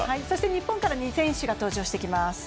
日本からは２選手が登場してきます。